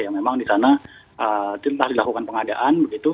yang memang di sana dilakukan pengadaan begitu